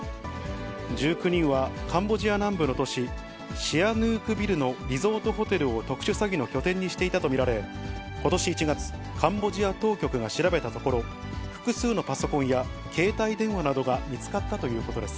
１９人はカンボジア南部の都市、シアヌークビルのリゾートホテルを特殊詐欺の拠点にしていたと見られ、ことし１月、カンボジア当局が調べたところ、複数のパソコンや携帯電話などが見つかったということです。